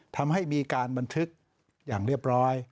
ทำให้มีการบันทึกอย่างเรียบร้อย